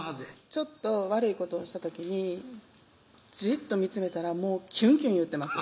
ちょっと悪いことをした時にじっと見つめたらもうキュンキュンいってます